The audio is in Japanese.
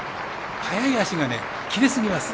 速い脚が切れすぎます。